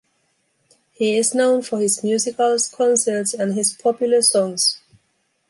He is known for his musicals, concerts and his popular songs.